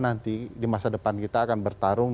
nanti di masa depan kita akan bertarung